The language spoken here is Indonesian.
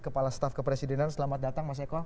kepala staf kepresidenan selamat datang mas eko